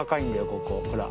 ここほら。